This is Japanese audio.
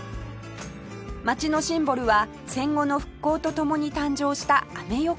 街のシンボルは戦後の復興とともに誕生したアメ横です